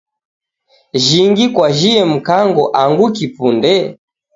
Jhingi kwajhie Mkango angu kipunde?.